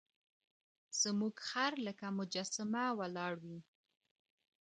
زموږ خر لکه مجسمه ولاړ وي.